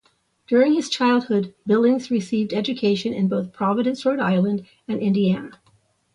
During his childhood, Billings received education in both Providence, Rhode Island and Indiana.